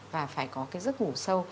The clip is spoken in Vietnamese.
và phải có cái giấc ngủ sâu